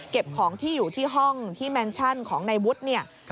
ของที่อยู่ที่ห้องที่แมนชั่นของนายวุฒิเนี่ย